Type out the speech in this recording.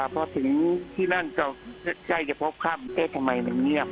พอถึงที่นั่นก็ใกล้จะพบค่ำเอ๊ะทำไมมันเงียบ